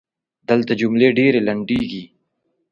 دلته جملې ډېري لنډیږي.